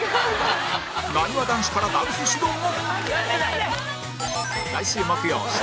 なにわ男子からダンス指導も